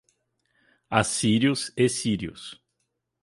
Assírios e sírios